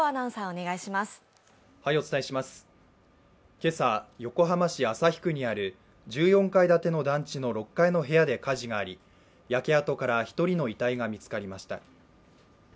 今朝横浜市旭区にある１４階建ての団地の６階の部屋で火事があり、焼け跡から１人の遺体が見つかりました。